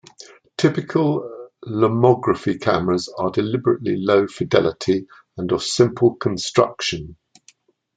Typical Lomography cameras are deliberately low-fidelity and of simple construction.